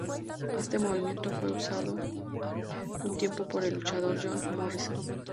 Este movimiento fue usado un tiempo por el luchador John Morrison.